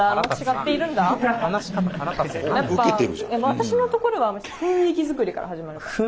私のところは雰囲気作りから始まるから。